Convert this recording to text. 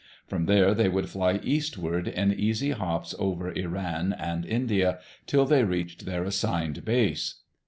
From there they would fly eastward in easy hops over Iran and India, till they reached their assigned base.